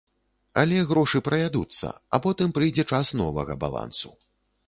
Але грошы праядуцца, а потым прыйдзе час новага балансу.